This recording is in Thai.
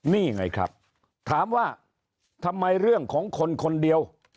นี่ไงครับถามว่าทำไมเรื่องของคนคนเดียว